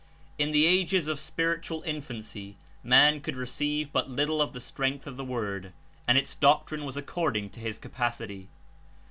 In the ages of spiritual Infancy man could receive but little of the strength of the Word, and its doctrine was according to his capacity.